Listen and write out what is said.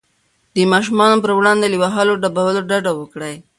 د ماشومانو پر وړاندې له وهلو ډبولو ډډه وکړئ.